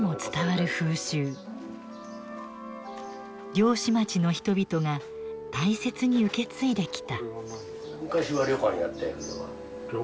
漁師町の人々が大切に受け継いできた。